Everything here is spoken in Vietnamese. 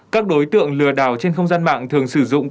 các đối tượng lừa đảo trên không gian mạng thường sử dụng